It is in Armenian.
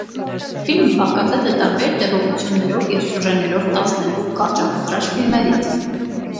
Ֆիլմը բաղկացած է տարբեր տևողություններով և սյուժեներով տասներկու կարճամետրաժ ֆիլմերից։